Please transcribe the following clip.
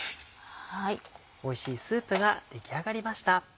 おいしいスープが出来上がりました。